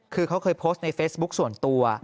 คือเขาเคยโพสต์ในเฟซบุ๊คส่วนตัว